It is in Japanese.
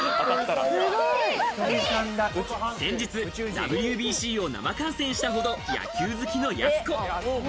先日、ＷＢＣを生観戦したほど野球好きのやす子。